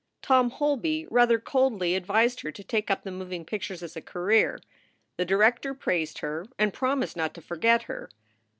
Tom Holby rather coldly advised her to take up the moving pictures as a career. The director praised her and promised not to forget her.